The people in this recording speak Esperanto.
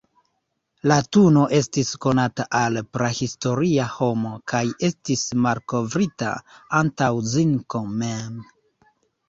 Latuno estis konata al prahistoria homo, kaj estis malkovrita antaŭ zinko mem.